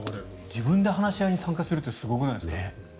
自分で話し合いに参加するってすごくないですか。